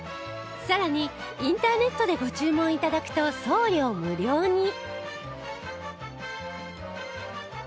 さらにインターネットでご注文頂くと送料無料に